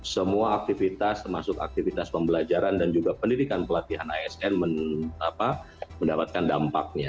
semua aktivitas termasuk aktivitas pembelajaran dan juga pendidikan pelatihan asn mendapatkan dampaknya